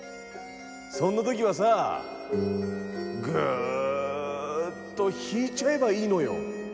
そんな時はさぐっと引いちゃえばいいのよ。